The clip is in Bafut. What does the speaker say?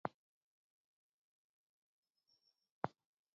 Mə̀ ghɨrə mbaaa ŋghə mə à nɨ Lum mə a zì, làʼ̀à boŋ a bàŋnə zi Nɨbàʼà.